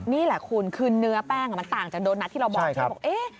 นี่แหละคุณคือเนื้อแป้งมันต่างจากโดนัทที่เราบอกใช่ไหมบอก